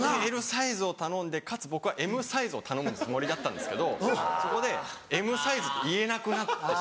Ｌサイズを頼んでかつ僕はＭサイズを頼むつもりだったんですけどそこでＭサイズって言えなくなってしまって。